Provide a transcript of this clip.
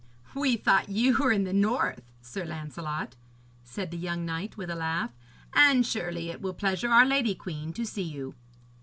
'We thought you were in the north, Sir Lancelot,' said the young knight, with a laugh, 'and surely it will pleasure our lady queen to see you.'